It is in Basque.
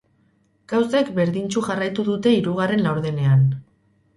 Gauzek bertdintsu jarraitu dute hirugarren laurdenean.